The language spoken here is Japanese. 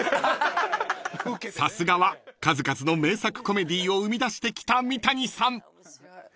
［さすがは数々の名作コメディーを生み出してきた三谷さん］